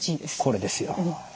これですよ。